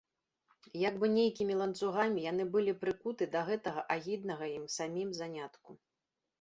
Як бы нейкімі ланцугамі яны былі прыкуты да гэтага агіднага ім самім занятку.